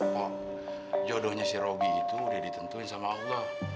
kok jodohnya si robi itu udah ditentuin sama allah